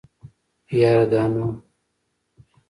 يره دا نو.